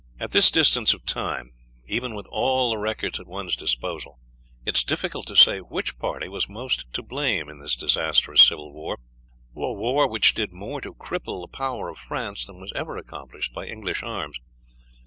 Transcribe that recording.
At this distance of time, even with all the records at one's disposal, it is difficult to say which party was most to blame in this disastrous civil war, a war which did more to cripple the power of France than was ever accomplished by English arms.